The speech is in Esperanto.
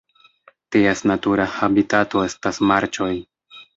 Ties natura habitato estas marĉoj.